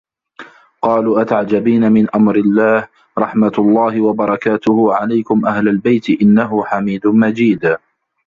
قالوا أتعجبين من أمر الله رحمت الله وبركاته عليكم أهل البيت إنه حميد مجيد